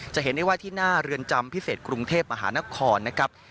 จะเห็นได้ว่าที่หน้าเรือนจำพิเศษกรุงเทพมหานครนะครับ